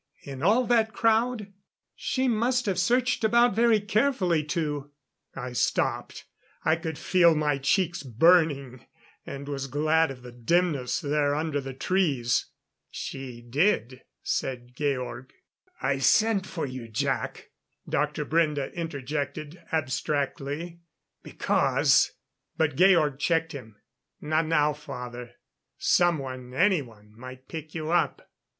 In all that crowd. She must have searched about very carefully to " I stopped; I could feel my cheeks burning, and was glad of the dimness there under the trees. "She did," said Georg. "I sent for you, Jac," Dr. Brende interjected abstractedly, "because " But Georg checked him. "Not now, father. Someone anyone might pick you up.